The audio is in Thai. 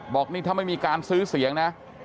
บอกนี่ถ้าไม่มีการซื้อเสียงนะ